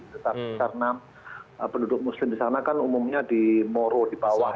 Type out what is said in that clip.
tetapi karena penduduk muslim di sana kan umumnya di moro di bawah